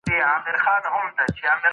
ټول انسانان د ژوند کولو فطري حق لري.